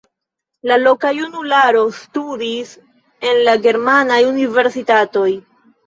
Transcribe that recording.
La loka junularo studis en la germanaj universitatoj.